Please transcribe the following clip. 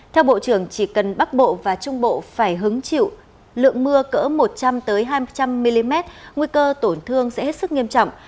theo bộ trưởng chỉ cần bắc bộ và trung bộ phải hứng chịu lượng mưa cỡ một trăm linh hai trăm linh mm nguy cơ tổn thương sẽ hết sức nghiêm trọng